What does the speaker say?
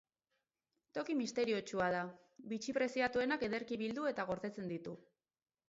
Toki misteriotsua da, bitxi preziatuenak ederki bildu eta gordetzen ditu.